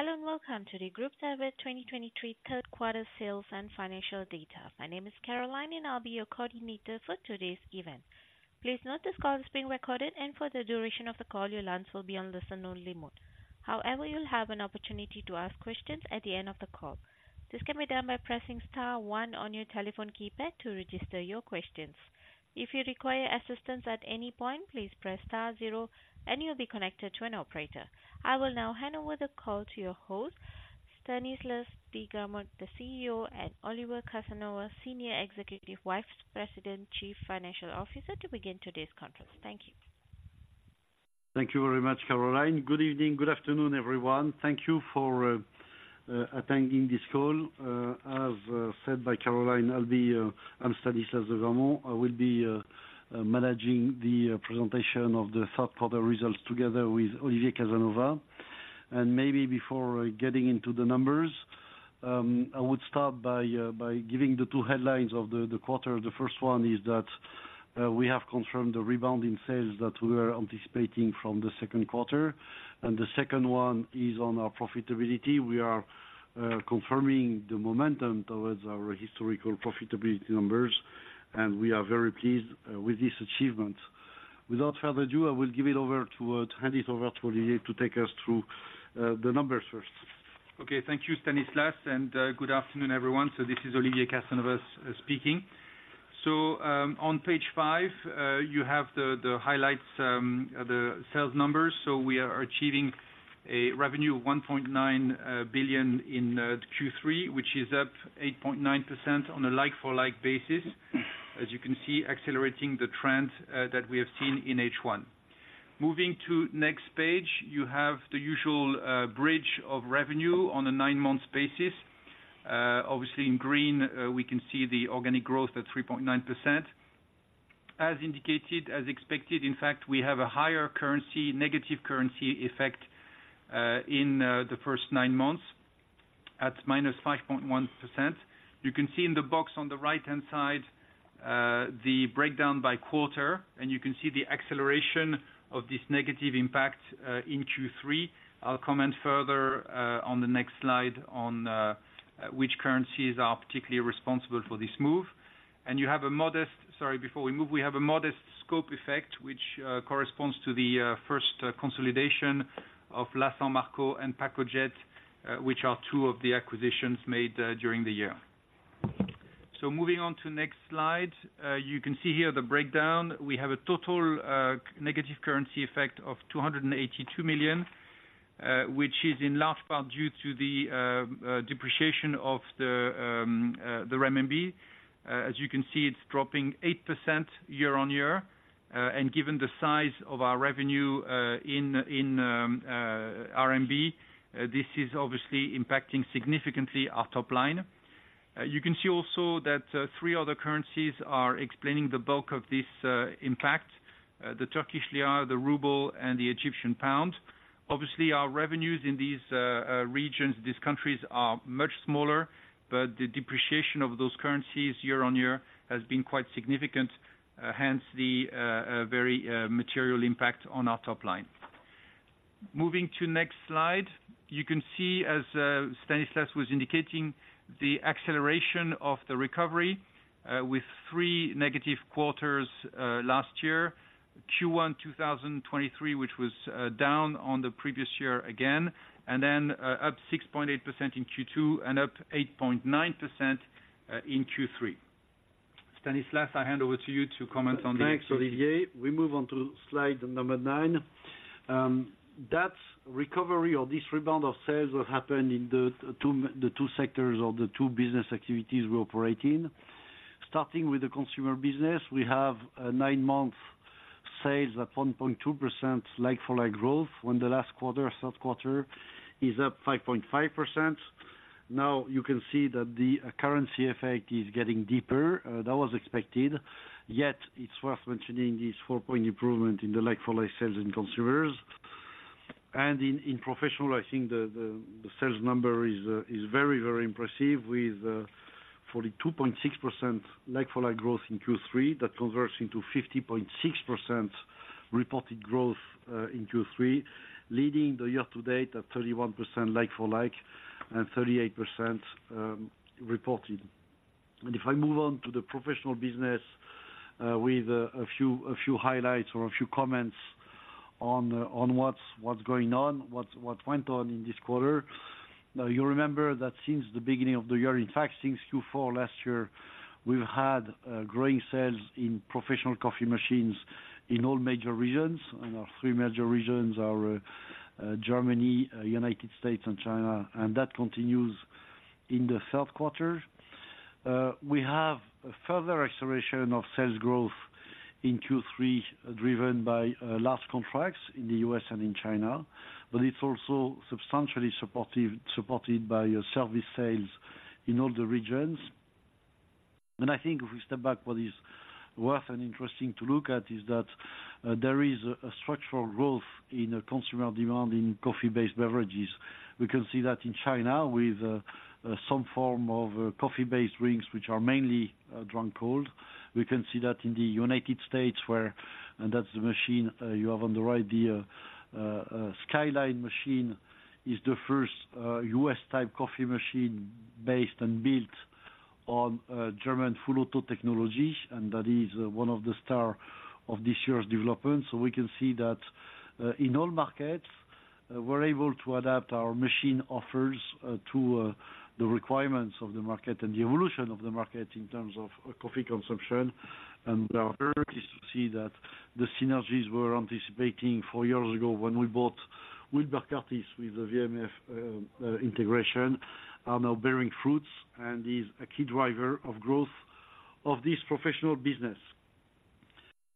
Hello, and welcome to the Groupe SEB 2023 third quarter sales and financial data. My name is Caroline, and I'll be your coordinator for today's event. Please note this call is being recorded, and for the duration of the call, your lines will be on listen only mode. However, you'll have an opportunity to ask questions at the end of the call. This can be done by pressing star one on your telephone keypad to register your questions. If you require assistance at any point, please press star zero, and you'll be connected to an operator. I will now hand over the call to your host, Stanislas de Gramont, the CEO, and Olivier Casanova, Senior Executive Vice President, Chief Financial Officer, to begin today's conference. Thank you. Thank you very much, Caroline. Good evening. Good afternoon, everyone. Thank you for attending this call. As said by Caroline, I'll be, I'm Stanislas de Gramont. I will be managing the presentation of the third quarter results together with Olivier Casanova. And maybe before getting into the numbers, I would start by giving the two headlines of the quarter. The first one is that we have confirmed the rebound in sales that we are anticipating from the second quarter, and the second one is on our profitability. We are confirming the momentum towards our historical profitability numbers, and we are very pleased with this achievement. Without further ado, I will give it over to, hand it over to Olivier to take us through the numbers first. Okay, thank you, Stanislas, and good afternoon, everyone. So this is Olivier Casanova speaking. So, on page five, you have the highlights, the sales numbers. So we are achieving a revenue of 1.9 billion in Q3, which is up 8.9% on a like-for-like basis. As you can see, accelerating the trend that we have seen in H1. Moving to next page, you have the usual bridge of revenue on a nine-month basis. Obviously, in green, we can see the organic growth at 3.9%. As indicated, as expected, in fact, we have a higher currency, negative currency effect in the first nine months, at -5.1%. You can see in the box on the right-hand side, the breakdown by quarter, and you can see the acceleration of this negative impact in Q3. I'll comment further on the next slide on which currencies are particularly responsible for this move. Sorry, before we move, we have a modest scope effect, which corresponds to the first consolidation of La San Marco and Pacojet, which are two of the acquisitions made during the year. So moving on to next slide. You can see here the breakdown. We have a total negative currency effect of 282 million, which is in large part due to the depreciation of the Renminbi. As you can see, it's dropping 8% year-on-year, and given the size of our revenue in Renminbi, this is obviously impacting significantly our top line. You can see also that three other currencies are explaining the bulk of this impact: the Turkish lira, the Ruble, and the Egyptian pound. Obviously, our revenues in these regions, these countries, are much smaller, but the depreciation of those currencies year-on-year has been quite significant, hence the very material impact on our top line. Moving to next slide, you can see, as Stanislas was indicating, the acceleration of the recovery with three negative quarters last year. Q1 2023, which was down on the previous year again, and then up 6.8% in Q2, and up 8.9% in Q3. Stanislas, I hand over to you to comment on the- Thanks, Olivier. We move on to slide number nine. That recovery or this rebound of sales will happen in the two, the two sectors or the two business activities we operate in. Starting with the consumer business, we have a nine-month sales at 1.2% like-for-like growth, when the last quarter, third quarter, is up 5.5%. Now, you can see that the currency effect is getting deeper, that was expected, yet it's worth mentioning this four-point improvement in the like-for-like sales in consumers. In Professional, I think the sales number is very, very impressive with 42.6% like-for-like growth in Q3. That converts into 50.6% reported growth in Q3, leading the year to date at 31% like-for-like, and 38% reported. If I move on to the Professional business, with a few highlights or a few comments on what's going on, what went on in this quarter. Now, you remember that since the beginning of the year, in fact, since Q4 last year, we've had growing sales in professional coffee machines in all major regions, and our three major regions are Germany, United States, and China, and that continues in the third quarter. We have a further acceleration of sales growth in Q3, driven by large contracts in the U.S. and in China, but it's also substantially supported by service sales in all the regions. I think if we step back, what is worth and interesting to look at is that there is a structural growth in consumer demand in coffee-based beverages. We can see that in China with some form of coffee-based drinks, which are mainly drunk cold. We can see that in the United States, where and that's the machine you have on the right here, the Skye machine is the first U.S.-type coffee machine, based and built on German full-auto technology, and that is one of the stars of this year's development. So we can see that in all markets, we're able to adapt our machine offers to the requirements of the market and the evolution of the market in terms of coffee consumption. We are very pleased to see that the synergies we were anticipating four years ago when we bought Wilbur Curtis with the WMF integration are now bearing fruits and is a key driver of growth of this Professional business.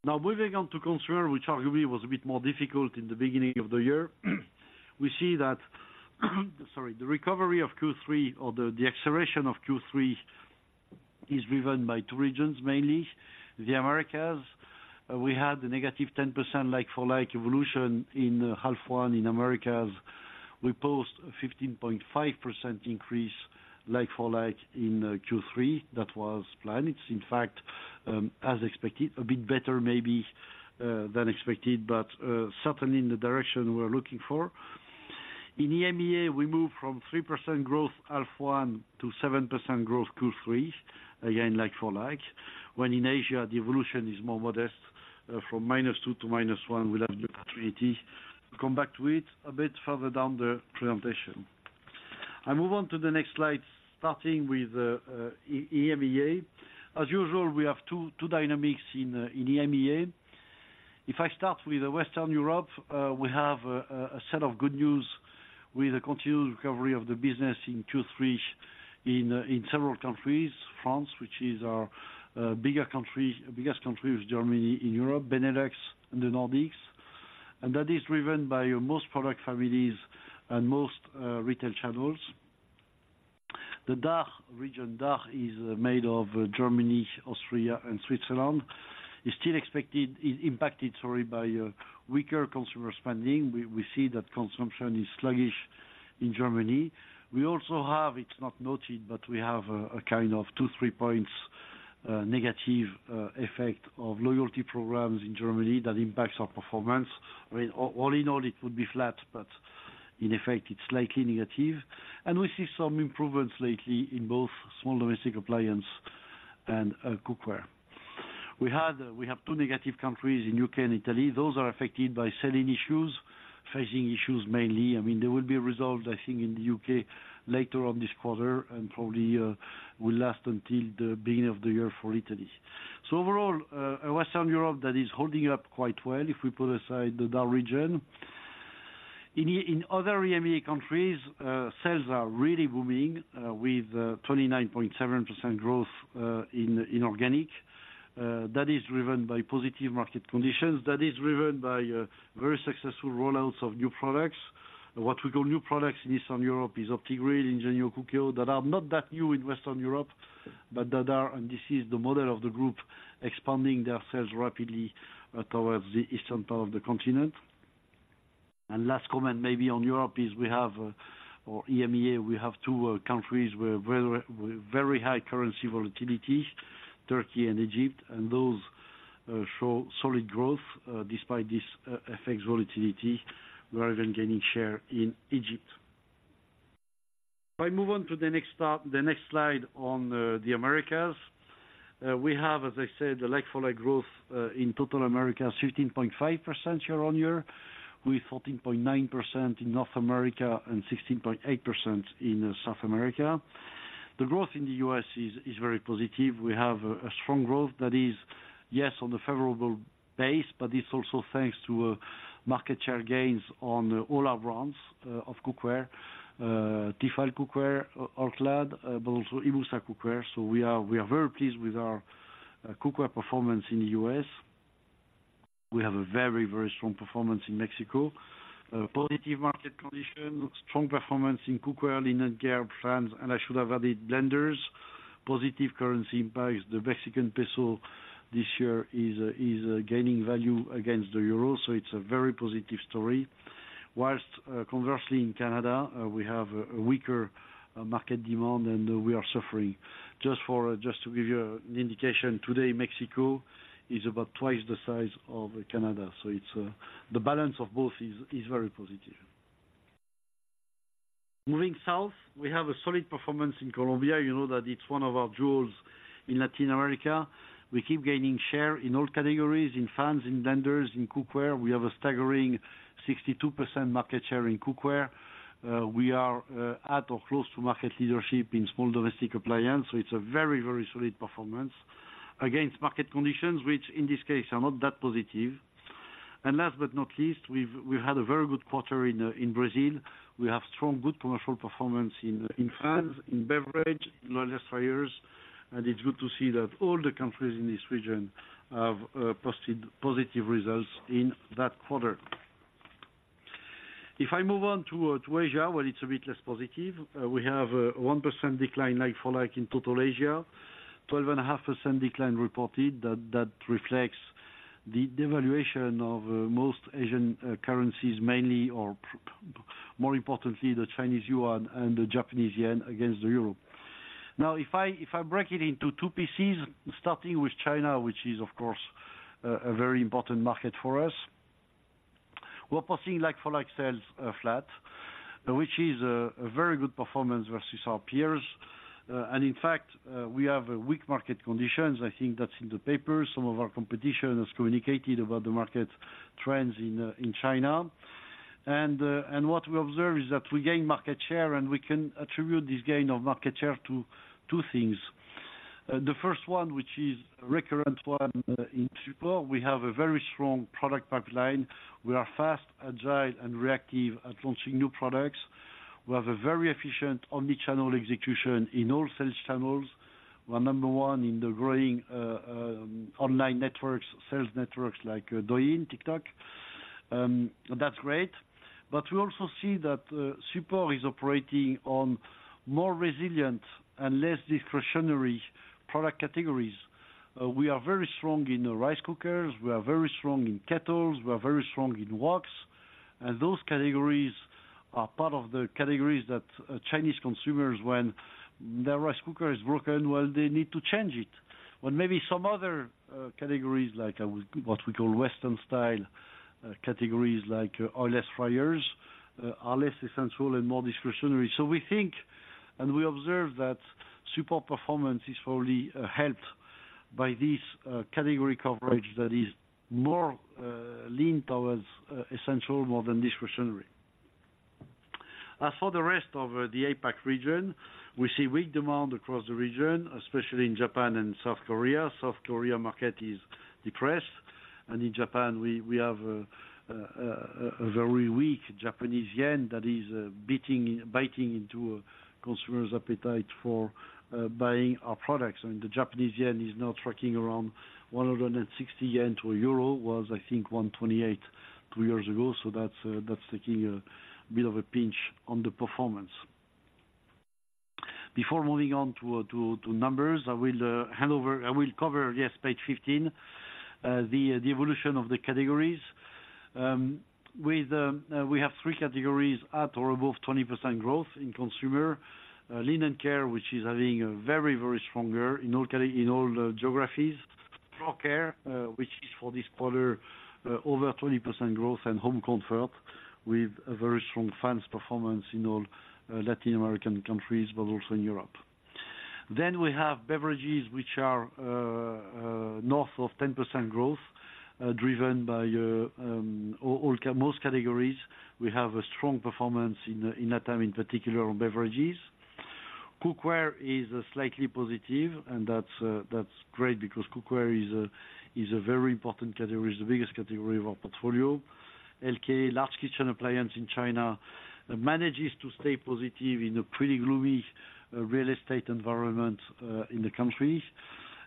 Now, moving on to Consumer, which arguably was a bit more difficult in the beginning of the year. We see that, sorry, the recovery of Q3 or the, the acceleration of Q3 is driven by two regions, mainly. The Americas, we had a -10% like-for-like evolution in half one in Americas. We post a 15.5% increase like-for-like in Q3. That was planned. It's in fact, as expected, a bit better maybe than expected, but certainly in the direction we're looking for. In EMEA, we moved from 3% growth half one to 7% growth Q3, again, like-for-like. When in Asia, the evolution is more modest, from -2% to -1%. We'll have the opportunity to come back to it a bit further down the presentation. I move on to the next slide, starting with EMEA. As usual, we have two dynamics in EMEA. If I start with Western Europe, we have a set of good news with a continued recovery of the business in Q3 in several countries. France, which is our bigger country, biggest country, with Germany in Europe, Benelux, and the Nordics. That is driven by most product families and most retail channels. The DACH region, DACH is made of Germany, Austria and Switzerland, is still expected, is impacted, sorry, by weaker consumer spending. We, we see that consumption is sluggish in Germany. We also have, it's not noted, but we have a kind of two, three points negative effect of loyalty programs in Germany that impacts our performance. I mean, all in all, it would be flat, but in effect, it's slightly negative. I mean, we see some improvements lately in both small domestic appliance and cookware. We had, we have two negative countries in the U.K. and Italy. Those are affected by sell-in issues, phasing issues, mainly. I mean, they will be resolved, I think, in the U.K. later on this quarter and probably will last until the beginning of the year for Italy. So overall, Western Europe, that is holding up quite well, if we put aside the DACH region. In other EMEA countries, sales are really booming, with 29.7% growth in organic. That is driven by positive market conditions. That is driven by very successful rollouts of new products. What we call new products in Eastern Europe is OptiGrill in general, Cookeo, that are not that new in Western Europe, but that are, and this is the model of the group, expanding their sales rapidly towards the eastern part of the continent. And last comment, maybe on Europe, is we have, or EMEA, we have two countries with very high currency volatility, Turkey and Egypt, and those show solid growth despite this effect's volatility. We are even gaining share in Egypt. If I move on to the next stop, the next slide on the Americas. We have, as I said, a like-for-like growth in total Americas, 15.5% year on year, with 14.9% in North America and 16.8% in South America. The growth in the U.S. is very positive. We have a strong growth that is, yes, on the favorable base, but it's also thanks to market share gains on all our brands of cookware. Tefal cookware, All-Clad, but also Imusa cookware. So we are very pleased with our cookware performance in the U.S. We have a very strong performance in Mexico. Positive market conditions, strong performance in cookware, linen care, fans, and I should have added blenders. Positive currency impact, the Mexican peso this year is gaining value against the euro, so it's a very positive story. Whilst conversely, in Canada, we have a weaker market demand and we are suffering. Just to give you an indication, today, Mexico is about twice the size of Canada, so it's the balance of both is very positive. Moving south, we have a solid performance in Colombia. You know that it's one of our jewels in Latin America. We keep gaining share in all categories, in Fans, in Blenders, in Cookware. We have a staggering 62% market share in cookware. We are at or close to market leadership in small domestic appliances. So it's a very, very solid performance against market conditions, which in this case, are not that positive. And last but not least, we've had a very good quarter in Brazil. We have strong, good commercial performance in Fans, in Beverage, in Laundry, and it's good to see that all the countries in this region have posted positive results in that quarter. If I move on to Asia, well, it's a bit less positive. We have a 1% decline, like-for-like, in total Asia. 12.5% decline reported that reflects the devaluation of most Asian currencies, mainly or more importantly, the Chinese yuan and the Japanese yen against the euro. Now, if I break it into two pieces, starting with China, which is, of course, a very important market for us. We're passing like-for-like sales flat, which is a very good performance versus our peers. And in fact, we have weak market conditions. I think that's in the papers. Some of our competition has communicated about the market trends in, in China. And what we observe is that we gain market share, and we can attribute this gain of market share to two things. The first one, which is recurrent one in Supor, we have a very strong product pipeline. We are fast, agile, and reactive at launching new products. We have a very efficient omni-channel execution in all sales channels. We're number one in the growing, online networks, sales networks, like Douyin, TikTok. That's great. But we also see that, Supor is operating on more resilient and less discretionary product categories. We are very strong in rice cookers. We are very strong in Kettles. We are very strong in woks. Those categories are part of the categories that Chinese consumers, when their rice cooker is broken, well, they need to change it. When maybe some other categories, like what we call Western style categories, like oil-less fryers, are less essential and more discretionary. So we think and we observe that Supor performance is fully helped by this category coverage that is more lean towards essential, more than discretionary. As for the rest of the APAC region, we see weak demand across the region, especially in Japan and South Korea. South Korea market is depressed, and in Japan, we have a very weak Japanese yen that is beating, biting into consumer's appetite for buying our products. The Japanese yen is now tracking around 160 yen to a euro, was, I think, 128 two years ago. So that's taking a bit of a pinch on the performance. Before moving on to numbers, I will hand over. I will cover, yes, page 15, the evolution of the categories. With we have three categories at or above 20% growth in consumer. Linen care, which is having a very, very strong performance in all categories in all the geographies. Floor care, which is for this quarter, over 20% growth and home comfort, with a very strong fans performance in all Latin American countries, but also in Europe. Then we have beverages, which are north of 10% growth, driven by all most categories. We have a strong performance in LATAM, in particular on beverages. Cookware is slightly positive, and that's great because cookware is a very important category, is the biggest category of our portfolio. LKA, large kitchen appliance in China, manages to stay positive in a pretty gloomy real estate environment in the country.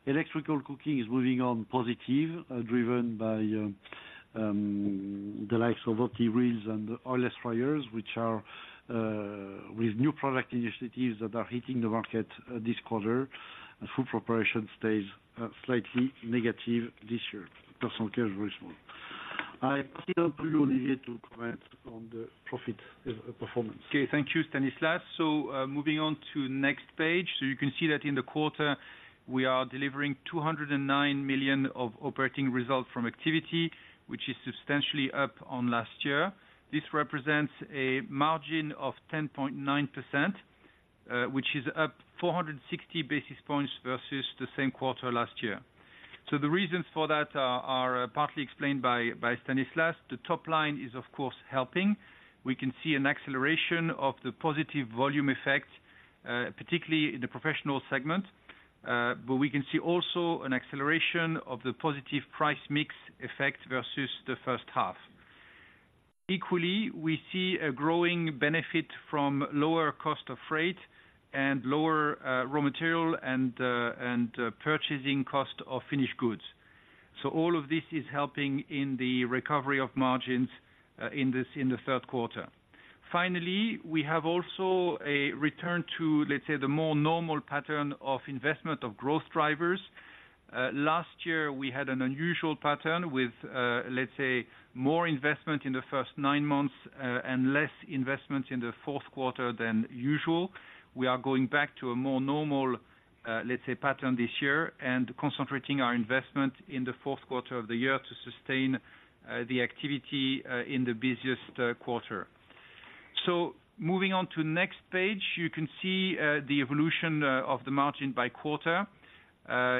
Electrical cooking is moving on positive, driven by the likes of OptiGrills and oil-less fryers, which are with new product initiatives that are hitting the market this quarter, and food preparation stays slightly negative this year. Personal care is very small. I pass you on to Olivier to comment on the profit performance. Okay, thank you, Stanislas. Moving on to next page. You can see that in the quarter, we are delivering 209 million of operating results from activity, which is substantially up on last year. This represents a margin of 10.9%, which is up 460 basis points versus the same quarter last year. The reasons for that are partly explained by Stanislas. The top line is, of course, helping. We can see an acceleration of the positive volume effect, particularly in the professional segment. But we can see also an acceleration of the positive price mix effect versus the first half. Equally, we see a growing benefit from lower cost of freight and lower raw material and purchasing cost of finished goods. All of this is helping in the recovery of margins in the third quarter. Finally, we have also a return to, let's say, the more normal pattern of investment of growth drivers. Last year, we had an unusual pattern with, let's say, more investment in the first nine months and less investment in the fourth quarter than usual. We are going back to a more normal, let's say, pattern this year, and concentrating our investment in the fourth quarter of the year to sustain the activity in the busiest quarter. Moving on to next page, you can see the evolution of the margin by quarter.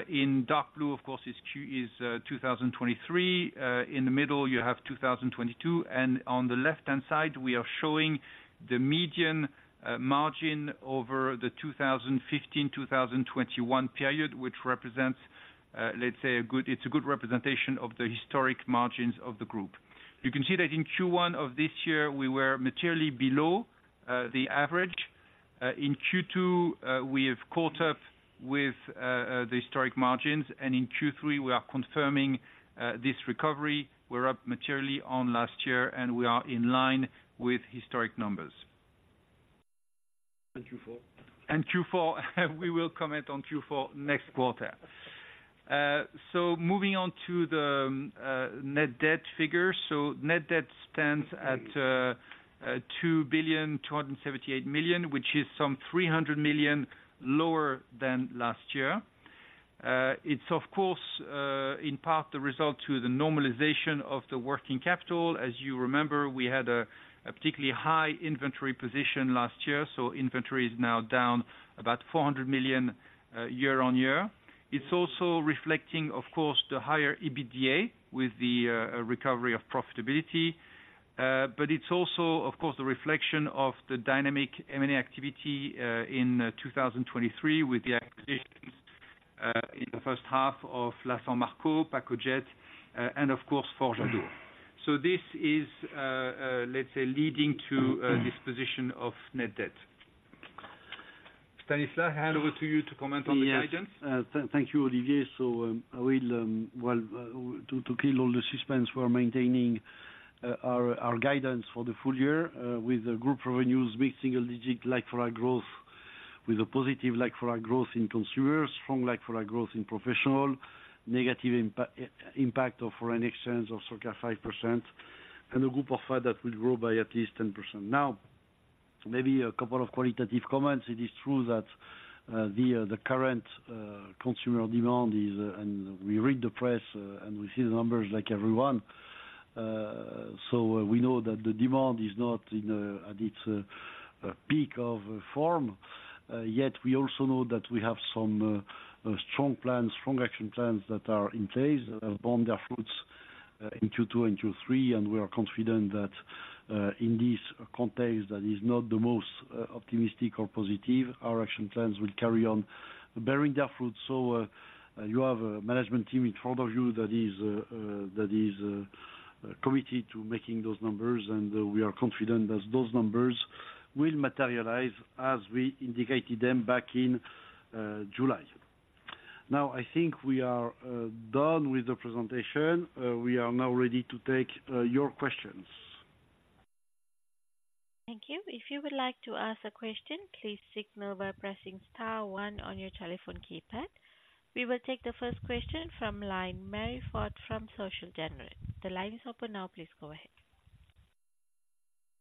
In dark blue, of course, is Q3 2023. In the middle, you have 2022, and on the left-hand side, we are showing the median margin over the 2015-2021 period, which represents, let's say, a good, it's a good representation of the historic margins of the group. You can see that in Q1 of this year, we were materially below the average. In Q2, we have caught up with the historic margins, and in Q3, we are confirming this recovery. We're up materially on last year, and we are in line with historic numbers. And Q4? Q4, we will comment on Q4 next quarter. Moving on to the net debt figures. Net debt stands at 2.278 billion, which is some 300 million lower than last year. It is of course in part the result to the normalization of the working capital. As you remember, we had a particularly high inventory position last year, so inventory is now down about 400 million year-on-year. It is also reflecting of course the higher EBITDA with the recovery of profitability. But it is also of course a reflection of the dynamic M&A activity in 2023, with the acquisitions in the first half of La San Marco, Pacojet, and of course, Forge Adour. So this is, let's say, leading to this position of net debt. Stanislas, hand over to you to comment on the guidance. Thank you, Olivier. I will, well, to kill all the suspense, we are maintaining our guidance for the full year, with the group revenues, mid single digit like-for-like growth, with a positive like-for-like growth in consumers, strong like-for-like growth in professional, negative impact of foreign exchange of circa 5%, and a group ORFA that will grow by at least 10%. Maybe a couple of qualitative comments. It is true that the current consumer demand is, and we read the press, and we see the numbers like everyone. We know that the demand is not in, at its peak of form. Yet, we also know that we have some strong plans, strong action plans that are in place, have borne their fruits in Q2 and Q3, and we are confident that in this context that is not the most optimistic or positive. Our action plans will carry on bearing their fruit. So you have a management team in front of you that is committed to making those numbers, and we are confident that those numbers will materialize as we indicated them back in July. Now, I think we are done with the presentation. We are now ready to take your questions. Thank you. If you would like to ask a question, please signal by pressing star one on your telephone keypad. We will take the first question from line, Marie-Line Fort from Société Générale. The line is open now, please go ahead.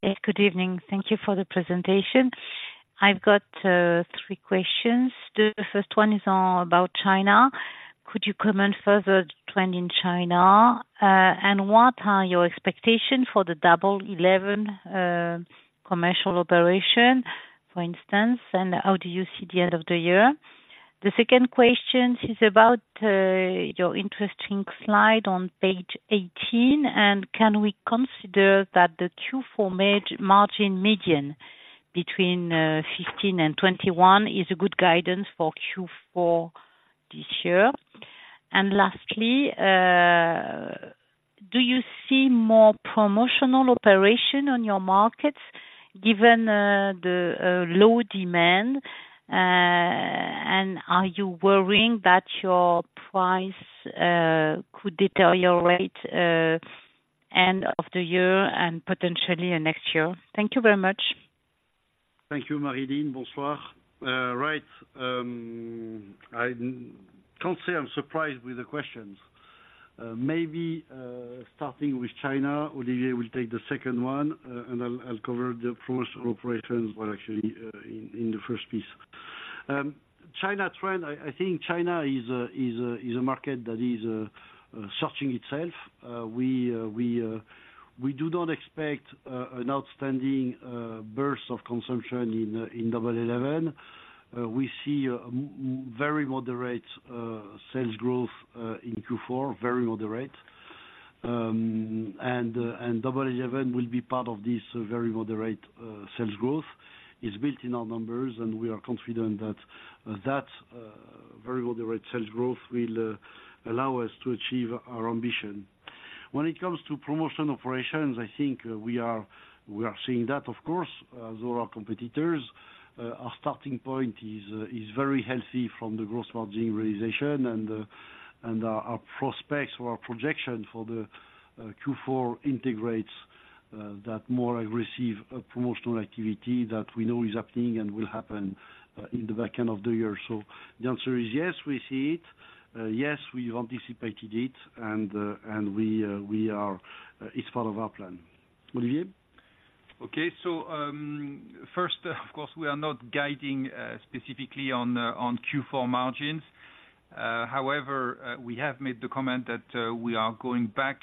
Yes, good evening. Thank you for the presentation. I've got three questions. The first one is about China. Could you comment further, trend in China? Could you comment further, trend in China? And what are your expectations for the Double 11 commercial operation, for instance, and how do you see the end of the year? The second question is about your interesting slide on page 18, and can we consider that the Q4 margin median between 15% and 21% is a good guidance for Q4 this year? Lastly, do you see more promotional operation on your markets, given the low demand? Are you worrying that your price could deteriorate end of the year and potentially in next year? Thank you very much. Thank you, Marie-Line, bonsoir. Right, I can't say I'm surprised with the questions. Maybe, starting with China, Olivier will take the second one, and I'll cover the promotional operations, well, actually, in the first piece. China trend, I think China is a market that is searching itself. We do not expect an outstanding burst of consumption in Double 11. We see a very moderate sales growth in Q4, very moderate. Double 11 will be part of this very moderate sales growth. It's built in our numbers, and we are confident that very moderate sales growth will allow us to achieve our ambition. When it comes to promotional operations, I think, we are, we are seeing that, of course, so are our competitors. Our starting point is, is very healthy from the gross margin realization and, and our, our prospects or our projection for the Q4 integrates that more aggressive promotional activity that we know is happening and will happen in the back end of the year. So the answer is yes, we see it, yes, we've anticipated it, and, and we, we are—It's part of our plan. Olivier? Okay, so, first, of course, we are not guiding specifically on Q4 margins. However, we have made the comment that we are going back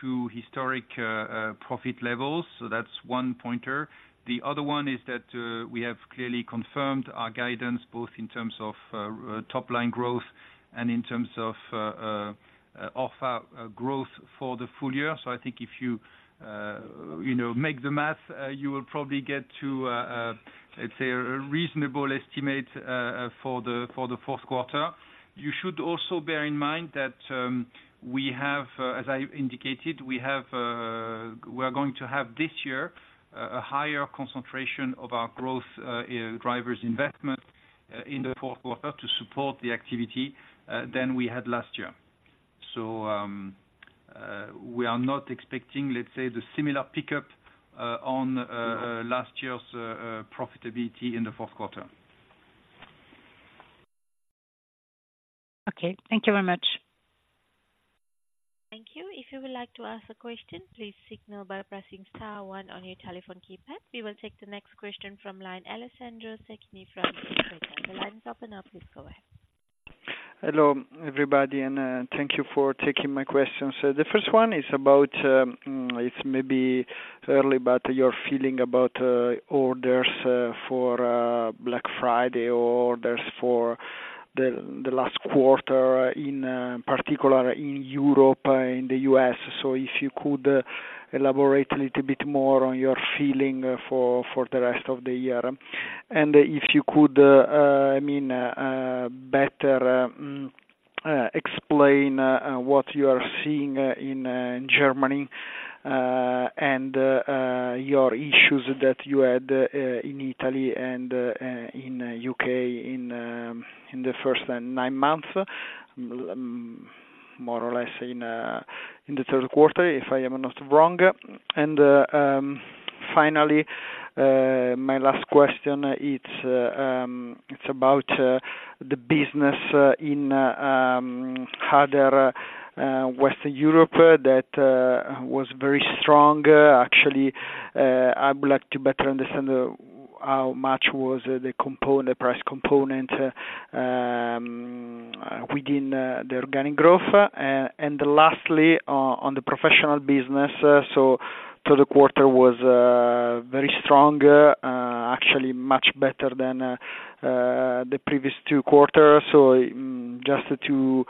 to historic profit levels, so that's one pointer. The other one is that we have clearly confirmed our guidance, both in terms of top line growth and in terms of offer growth for the full year. I think if you, you know, make the math, you will probably get to, let's say, a reasonable estimate for the fourth quarter. You should also bear in mind that, as I indicated, we are going to have this year a higher concentration of our growth drivers investment in the fourth quarter to support the activity than we had last year. So, we are not expecting, let's say, the similar pickup on last year's profitability in the fourth quarter. Okay. Thank you very much. Thank you. If you would like to ask a question, please signal by pressing star one on your telephone keypad. We will take the next question from line Alessandro Cecchini from the line is open now, please go ahead. Hello, everybody, and thank you for taking my questions. So the first one is about. It's maybe early, but your feeling about orders for Black Friday or orders for the last quarter, in particular in Europe, in the U.S. So if you could elaborate a little bit more on your feeling for the rest of the year. And if you could I mean better explain what you are seeing in Germany and your issues that you had in Italy and in UK in the first nine months, more or less in the third quarter, if I am not wrong. Finally, my last question, it's about the business in harder West Europe that was very strong. Actually, I would like to better understand how much was the component, the price component, within the organic growth. Lastly, on the Professional business, the quarter was very strong, actually much better than the previous two quarters. Just to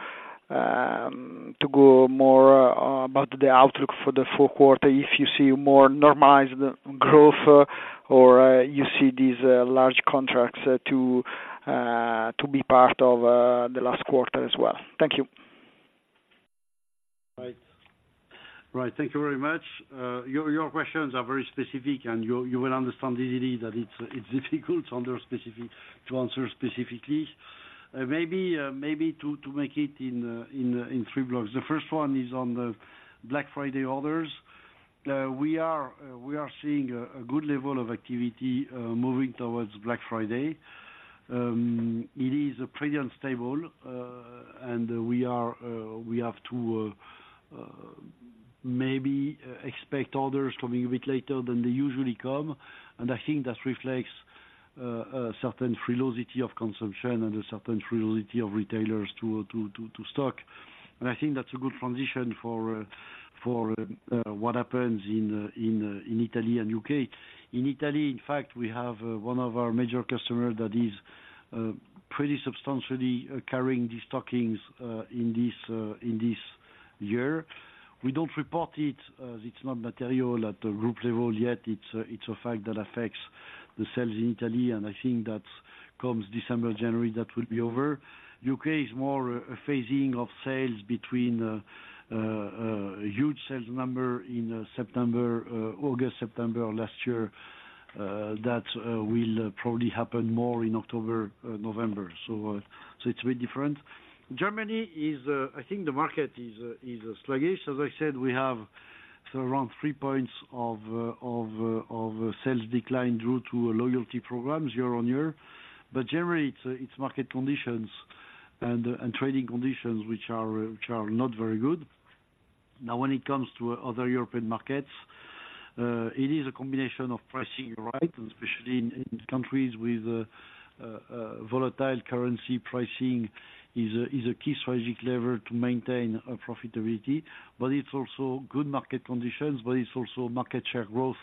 go more about the outlook for the fourth quarter, if you see more normalized growth or you see these large contracts to be part of the last quarter as well. Thank you. Right. Right, thank you very much. Your questions are very specific, and you will understand easily that it's difficult to answer specifically. Maybe to make it in three blocks. The first one is on the Black Friday orders. We are seeing a good level of activity moving towards Black Friday. It is pretty unstable, and we have to maybe expect orders coming a bit later than they usually come. And I think that reflects a certain fallacy of consumption and a certain fallacy of retailers to stock. And I think that's a good transition for what happens in Italy and U.K. In Italy, in fact, we have one of our major customer that is pretty substantially carrying these stockings in this year. We don't report it, as it's not material at the group level yet. It's a fact that affects the sales in Italy, and I think that comes December, January, that will be over. U.K is more a phasing of sales between a huge sales number in September, August, September of last year that will probably happen more in October, November. So, it's a bit different. Germany is. I think the market is sluggish. As I said, we have around three points of sales decline due to loyalty programs year-on-year. But generally, it's market conditions and trading conditions which are not very good. Now, when it comes to other European markets, it is a combination of pricing, right, and especially in countries with volatile currency pricing, is a key strategic lever to maintain profitability, but it's also good market conditions, but it's also market share growth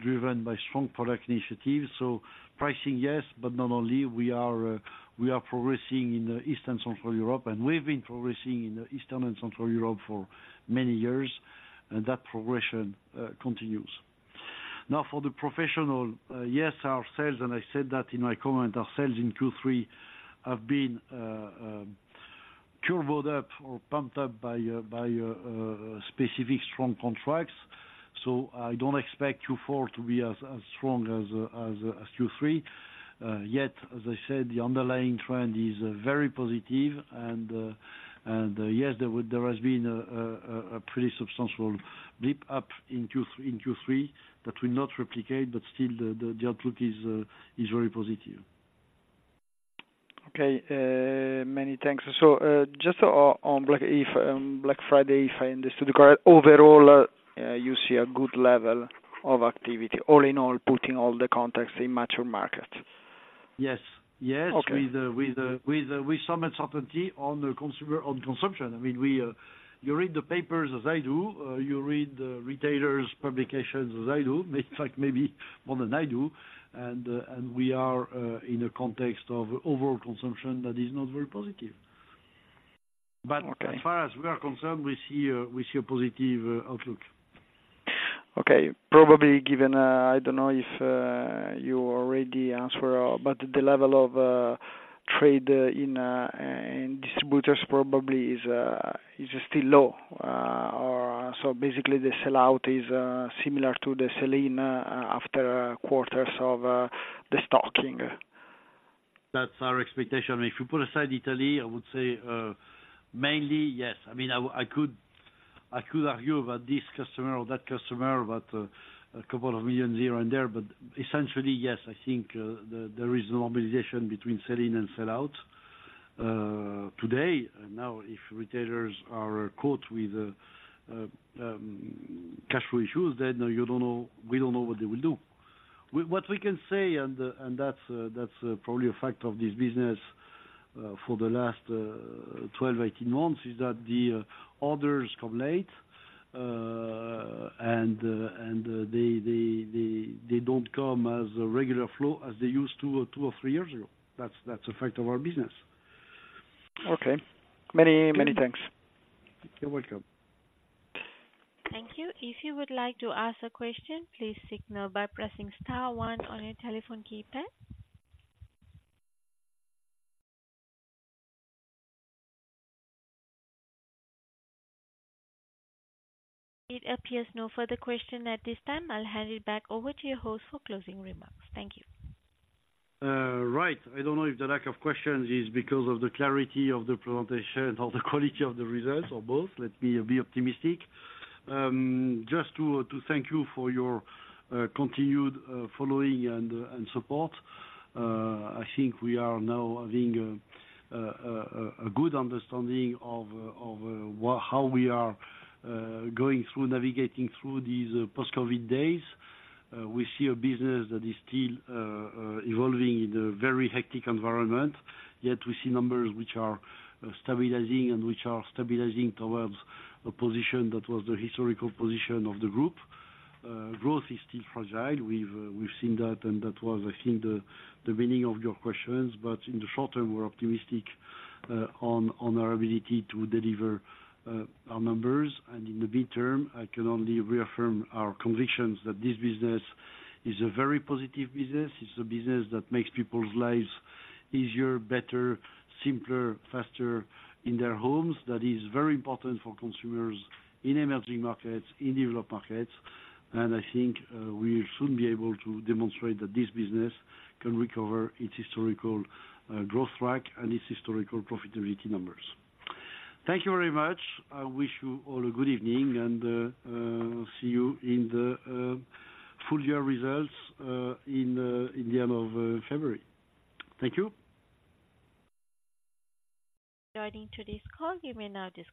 driven by strong product initiatives. So pricing, yes, but not only, we are progressing in the Eastern Central Europe, and we've been progressing in the Eastern and Central Europe for many years, and that progression continues. Now for the professional, yes, our sales, and I said that in my comment, our sales in Q3 have been curbed up or pumped up by specific strong contracts, so I don't expect Q4 to be as strong as Q3. Yet, as I said, the underlying trend is very positive and yes, there has been a pretty substantial blip up in Q3, in Q3 that will not replicate, but still the outlook is very positive. Okay. Many thanks. So, just on Black Friday, if I understood correct, overall, you see a good level of activity, all in all, putting all the context in mature market? Yes, yes. Okay. With some uncertainty on the consumer, on consumption. I mean, you read the papers as I do, you read the retailers' publications as I do, maybe, like, maybe more than I do. And we are in a context of overall consumption that is not very positive. Okay. As far as we are concerned, we see a positive outlook. Okay, probably given, I don't know if you already answer, but the level of trade in distributors probably is still low. Or, so basically, the sell out is similar to the selling after quarters of the stocking. That's our expectation. If you put aside Italy, I would say, mainly, yes. I mean, I could argue about this customer or that customer, but a couple of million here and there. But essentially, yes, I think there is normalization between selling and sell out. Today, now, if retailers are caught with cash flow issues, then you don't know, we don't know what they will do. What we can say, and that's probably a fact of this business, for the last 12, 18 months, is that the orders come late. And they don't come as a regular flow as they used to, two or three years ago. That's a fact of our business. Okay. Many, many thanks. You're welcome. Thank you. If you would like to ask a question, please signal by pressing star one on your telephone keypad. It appears no further question at this time. I'll hand it back over to your host for closing remarks. Thank you. Right. I don't know if the lack of questions is because of the clarity of the presentation or the quality of the results, or both. Let me be optimistic. Just to thank you for your continued following and support. I think we are now having a good understanding of what-- how we are going through, navigating through these post-COVID days. We see a business that is still evolving in a very hectic environment, yet we see numbers which are stabilizing and which are stabilizing towards a position that was the historical position of the group. Growth is still fragile. We've seen that, and that was, I think, the beginning of your questions. But in the short term, we're optimistic on our ability to deliver our numbers. In the midterm, I can only reaffirm our convictions that this business is a very positive business. It's a business that makes people's lives easier, better, simpler, faster in their homes. That is very important for consumers in emerging markets, in developed markets. I think we'll soon be able to demonstrate that this business can recover its historical growth track and its historical profitability numbers. Thank you very much. I wish you all a good evening, and see you in the full year results in the end of February. Thank you. Joining to this call, you may now disconnect.